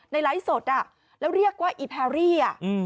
ไลฟ์สดอ่ะแล้วเรียกว่าอีแพรรี่